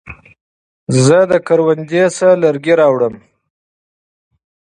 زه د پټي نه لرګي راوړم